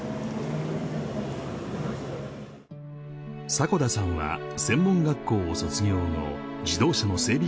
迫田さんは専門学校を卒業後自動車の整備